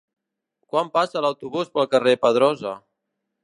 Quan passa l'autobús pel carrer Pedrosa?